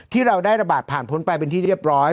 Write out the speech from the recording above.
ที่เราได้ระบาดผ่านพ้นไปเป็นที่เรียบร้อย